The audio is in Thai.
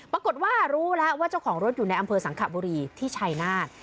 ปรากฏว่ารู้แล้วว่าเจ้าของรถอยู่ในอำเภอสังขบุรีที่ชัยนาธ